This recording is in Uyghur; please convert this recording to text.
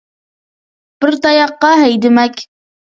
بىر تاياقتا ھەيدىمەك.